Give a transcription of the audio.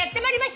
はい！